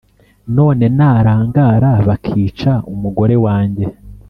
none narangara bakica umugore wanjye.